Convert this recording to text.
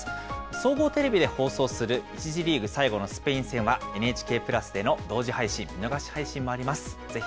総合テレビで放送する１次リーグ最後のスペイン戦は、ＮＨＫプラスでの同時配信、見逃し配信もあります。